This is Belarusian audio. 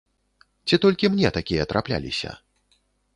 Ці толькі мне такія трапляліся?